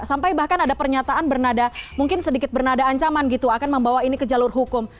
sampai bahkan ada pernyataan bernada mungkin sedikit bernada ancaman gitu akan membawa ini ke jalur hukum